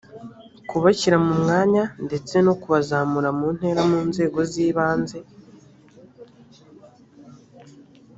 kubashyira mu myanya ndetse no kubazamura mu ntera mu nzego z ibanze